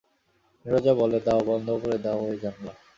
নীরজা বললে, দাও, বন্ধ করে দাও ঐ জানলা।